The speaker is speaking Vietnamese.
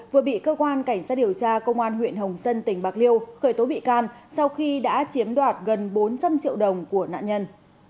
vừa bị cơ quan cảnh sát điều tra công an huyện hồng dân tỉnh bạc liêu khởi tố bị can sau khi đã chiếm đoạt gần bốn trăm linh triệu đồng của nạn nhân